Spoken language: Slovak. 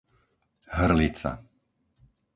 Hrlica